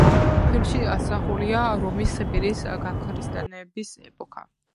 ფილმში ასახულია რომის იმპერიის გაქრისტიანების ეპოქა.